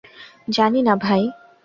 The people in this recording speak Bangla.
জানি না ভাই।